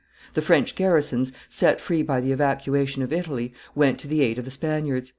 The French garrisons, set free by the evacuation of Italy, went to the aid of the Spaniards.